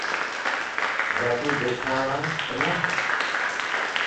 جادو ڏيکاڻا تنا.